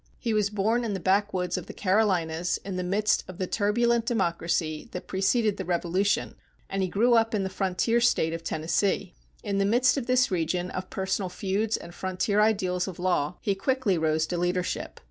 He was born in the backwoods of the Carolinas in the midst of the turbulent democracy that preceded the Revolution, and he grew up in the frontier State of Tennessee. In the midst of this region of personal feuds and frontier ideals of law, he quickly rose to leadership.